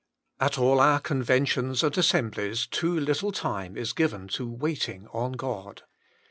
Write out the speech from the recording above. At all our conventions and assemblies too little time is given to waiting on God.